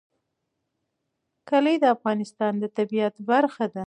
کلي د افغانستان د طبیعت برخه ده.